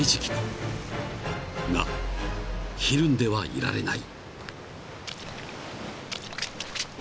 ［がひるんではいられない］